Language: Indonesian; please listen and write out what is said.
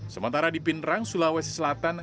sementara di pindrang sulawesi selatan